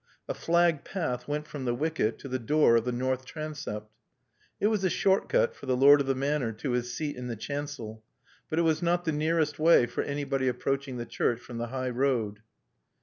A flagged path went from the wicket to the door of the north transept. It was a short cut for the lord of the Manor to his seat in the chancel, but it was not the nearest way for anybody approaching the church from the high road.